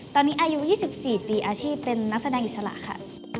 ตอนนี้อายุ๒๔ปีอาชีพเป็นนักแสดงอิสระค่ะ